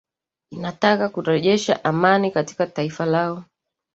inataka kurejesha amani katika taifa lao